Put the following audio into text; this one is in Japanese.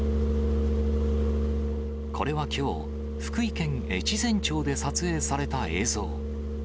これはきょう、福井県越前町で撮影された映像。